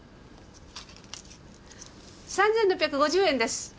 ３，６５０円です。